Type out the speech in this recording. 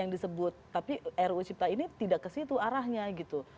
yang ditebut tapi reu cipta ini tak ke sini arahnya gitu